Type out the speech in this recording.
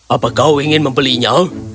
apa kau ingin membelinya